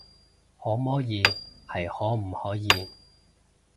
可摸耳係可唔可以